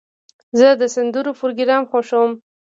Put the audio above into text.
زه د سندرو پروګرام خوښوم.